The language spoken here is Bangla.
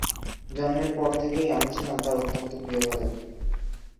জন্মের পর থেকেই আমি ছিলাম তার অত্যন্ত প্রিয়ভাজন।